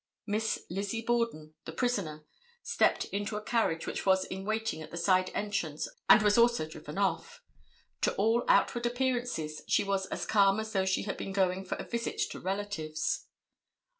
Miss Lizzie Borden, the prisoner, stepped into a carriage which was in waiting at the side entrance and was also driven off. To all outward appearances, she was as calm as though she had been going for a visit to relatives.